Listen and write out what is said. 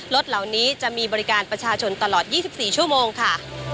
รถเหล่านี้จะมีบริการประชาชนตลอด๒๔ชั่วโมงค่ะ